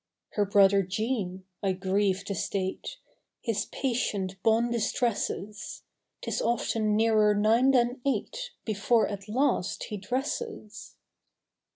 Her brother Jean—I grieve to state— His patient bonne distresses; 'Tis often nearer nine than eight Before at last he dresses.